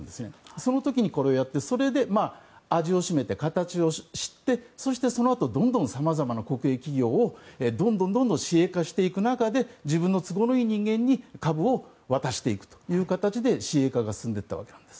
その時にこれをやってそれで味を占めて形を知って、そのあとさまざまな国営企業をどんどん私営化していく中で自分の都合のいい人間に株を渡していくという形で私営化が進んでいったわけです。